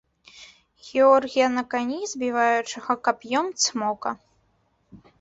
Георгія на кані, забіваючага кап'ём цмока.